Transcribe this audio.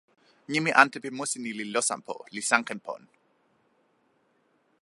nimi ante pi musi ni li Losanpo, li Sankenpon.